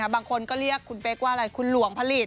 บางคนก็เรียกคุณเป๊กว่าอะไรคุณหลวงผลิต